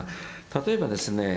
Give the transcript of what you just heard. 例えばですね